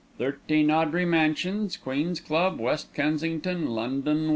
_ 13 AUDREY MANSIONS, QUEEN'S CLUB, WEST KENSINGTON, LONDON, W.